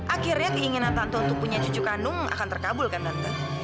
akhirnya keinginan tante untuk punya cucu kandung akan terkabul kan tante